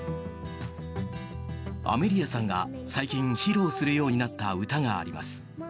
アメリアさんが最近、披露するようになった歌があります。